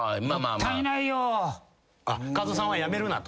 加藤さんは辞めるなと？